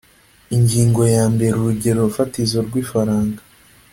ingingo ya mbere urugero fatizo rw ifaranga